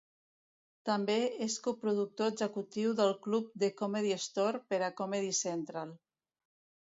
També és coproductor executiu del club The Comedy Store per a Comedy Central.